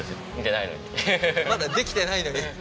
まだできてないのに。